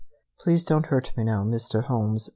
Please don't hurt me now, Mr. Holmes.